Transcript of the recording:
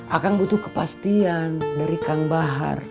akan butuh kepastian dari kang bahar